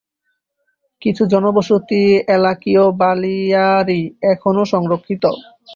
কিছু জনবসতি এলাকিয় বালিয়াড়ি এখনো সংরক্ষিত।